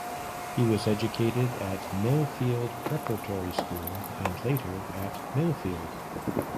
He was educated at Millfield Preparatory School and later at Millfield.